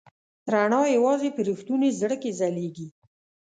رڼا یواځې په رښتوني زړه کې ځلېږي.